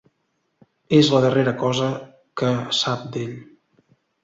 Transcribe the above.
És la darrera cosa que sap d’ell.